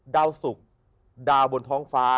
ดาวสุกดาวบนท้องฟ้า